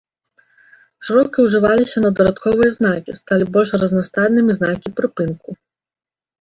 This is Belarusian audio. Шырока ўжываліся надрадковыя знакі, сталі больш разнастайнымі знакі прыпынку.